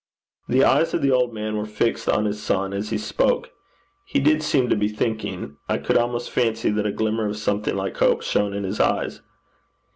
The eyes of the old man were fixed on his son as he spoke. He did seem to be thinking. I could almost fancy that a glimmer of something like hope shone in his eyes.